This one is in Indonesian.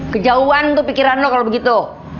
kejauhan tuh pikiran lo kalau begitu